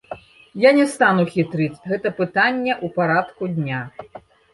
Я не стану хітрыць, гэта пытанне ў парадку дня.